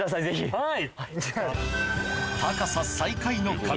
はい。